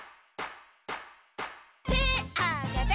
てあげて。